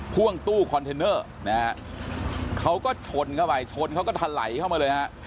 พ่วงตู้คอนเทนเนอร์นะฮะเขาก็ชนเข้าไปชนเขาก็ทะไหลเข้ามาเลยฮะ